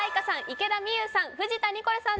池田美優さん